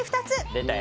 出たよ。